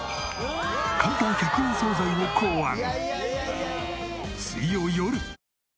簡単１００円惣菜を考案。